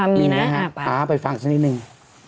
อ่ามีนะไปฟังซักนิดนึง